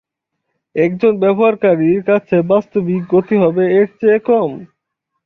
একজন ব্যবহারকারীর কাছে বাস্তবিক গতি হবে এর চেয়ে কম।